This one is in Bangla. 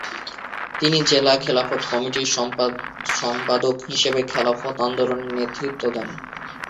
তিনি জেলা খেলাফত কমিটির সম্পাদ হিসেবে খেলাফত আন্দোলনে নেতৃত্ব দেন।